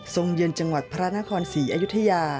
ทรงเยินจังหวัดพระนคร๔อยุฒร์